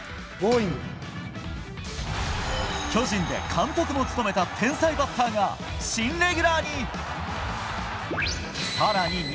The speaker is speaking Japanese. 巨人で監督も務めた天才バッターが新レギュラーに。